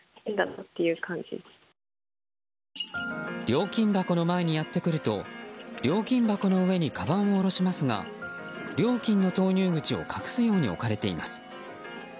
料金箱の前にやってくると料金箱の上にかばんを下ろしますが料金の投入口を隠すように置かれています。